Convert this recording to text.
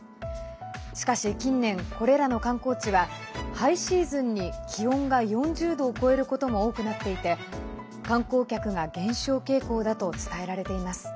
しかし近年、これらの観光地はハイシーズンに気温が４０度を超えることも多くなっていて可能客が減少傾向だと伝えられています。